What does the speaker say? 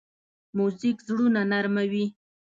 موزیک زړونه نرمه وي.